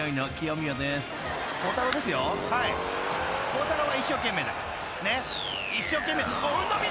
［幸太郎は一生懸命だから。